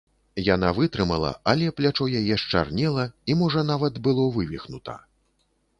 Яна вытрымала, але плячо яе счарнела і, можа, нават было вывіхнута.